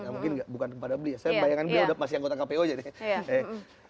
mungkin bukan pada beli saya bayangin beli udah masih anggota kpo aja nih